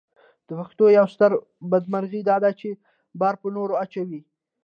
د پښتنو یوه ستره بدمرغي داده چې بار پر نورو اچوي.